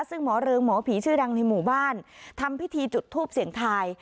ซึ่งหมอเริงหมอผีชื่อดังในหมู่บ้านทำพิธีจุดทูปเสียงทาย